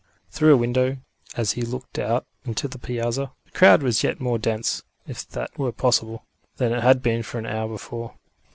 Through a window, as he looked out into the Piazza, the crowd was yet more dense, if that were possible, than it had been an hour before.